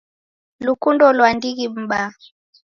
Lukundo lwa ndighi mbaa